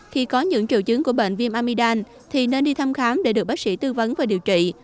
khi có những triệu chứng của bệnh viêm amidam thì nên đi thăm khám để được bác sĩ tư vấn và điều trị